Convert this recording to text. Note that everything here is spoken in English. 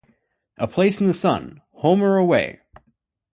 A Place In The Sun: Home or Away?